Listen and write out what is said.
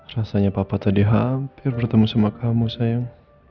rasanya papa tadi hampir bertemu sama kamu sayang